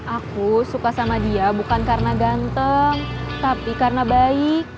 aku suka sama dia bukan karena ganteng tapi karena baik